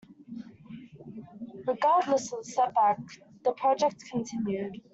Regardless of the setback, the project continued.